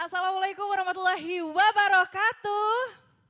assalamualaikum warahmatullahi wabarakatuh